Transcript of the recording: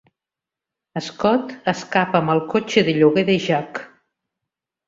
Scott escapa amb el cotxe de lloguer de Jack.